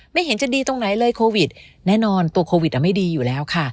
ไม่เห็นจะดีตรงไหนเลยโควิดแน่นอนตัวโควิดไม่ดีอยู่แล้วค่ะ